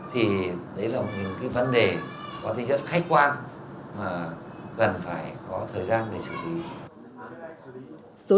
thì đấy là một những cái vấn đề có thể rất khách quan mà cần phải có thời gian để xử lý